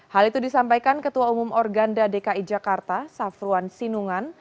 hal itu disampaikan ketua umum organda dki jakarta safruan sinungan